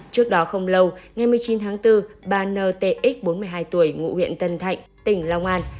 trước đó không lâu ngày một mươi chín tháng bốn bà n t x bốn mươi hai tuổi ngụ huyện tân thạnh tỉnh long an